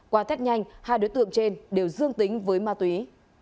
qua tết nhanh hai đối tượng trên đều dương tính với ma túy